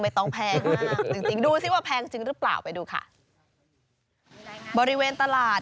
ต้องแพงมากจริงจริงดูสิว่าแพงจริงหรือเปล่าไปดูค่ะบริเวณตลาด